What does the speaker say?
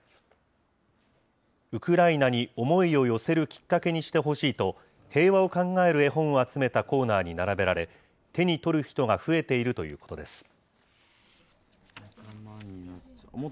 ウクライナに思いを寄せるきっかけにしてほしいと、平和を考える絵本を集めたコーナーに並べられ、手に取る人が増えているということです。